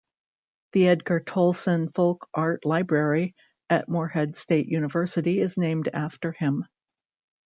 The Edgar Tolson Folk Art Library at Morehead State University is named after him.